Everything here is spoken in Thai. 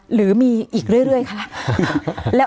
หรือมีอีกเรื่อยคะ